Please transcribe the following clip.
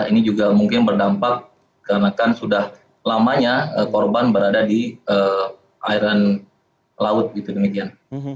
ini juga mungkin berdampak karena kan sudah lamanya korban berada di airan laut gitu demikian